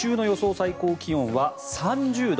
最高気温は３０度。